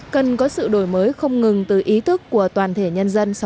cần có sự đổi mới không ngừng từ ý thức của toàn thể nhân dân sầm sơn